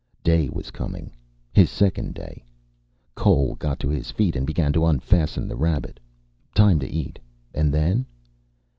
Day was coming. His second day. Cole got to his feet and began to unfasten the rabbit. Time to eat. And then?